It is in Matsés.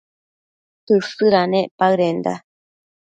Tësëdanec paëdenda